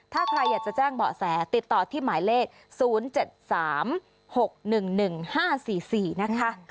ถ้าใครอยากจะแจ้งเบาะแสติดต่อที่หมายเลข๐๗๓๖๑๑๕๔๔นะคะ